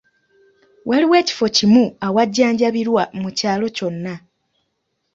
Waliwo ekifo kimu awajjanjabirwa mu kyalo kyonna.